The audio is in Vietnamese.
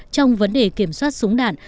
trong vấn đề kiểm soát súng đạn